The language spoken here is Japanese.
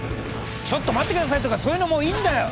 「ちょっと待って下さい！」とかそういうのもういいんだよ！